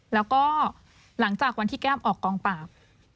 แล้วก็หลังจากวันที่แก้มออกกองปราบ